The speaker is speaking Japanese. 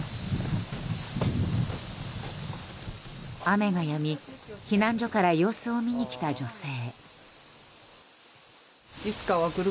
雨がやみ、避難所から様子を見に来た女性。